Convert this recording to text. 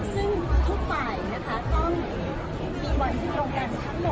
ซึ่งทุกฝ่ายนะคะต้องมีวันที่ตรงกันทั้งหมด